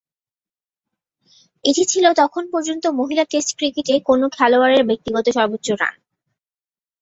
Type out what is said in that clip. এটি ছিল তখন পর্যন্ত মহিলা টেস্ট ক্রিকেটে কোনও খেলোয়াড়ের ব্যক্তিগত সর্বোচ্চ রান।